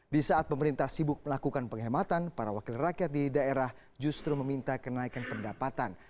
di saat pemerintah sibuk melakukan penghematan para wakil rakyat di daerah justru meminta kenaikan pendapatan